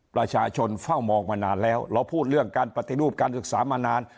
ประชาชนเฝ้ามองมานานแล้วเราพูดเรื่องการปฏิรูปการศึกษามานาน